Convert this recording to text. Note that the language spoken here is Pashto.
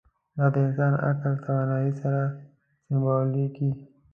دا د انسان عقل توانایۍ سره سمبالېږي.